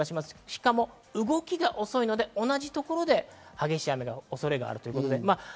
しかも動きが遅いので、同じところで激しい雨の恐れがある。